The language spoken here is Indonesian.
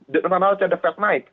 dengan alasan the fed naik